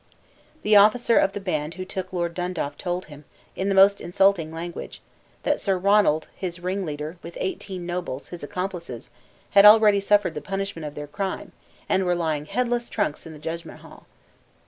The officer of the band who took Lord Dundaff told him, in the most insulting language, that "Sir Ronald, his ringleader, with eighteen nobles, his accomplices, had already suffered the punishment of their crime, and were lying headless trunks in the judgment hall."